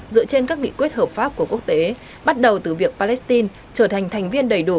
dựa trên các nghị quyết hợp pháp của quốc tế bắt đầu từ việc palestine trở thành thành viên đầy đủ